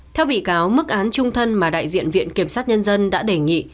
theo bị cáo mức án trung thân mà đại diện viện kiểm sát nhân dân đã đề nghị